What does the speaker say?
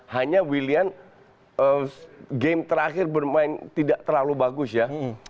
hanya willian game terakhir bermain tidak terlalu bagus ya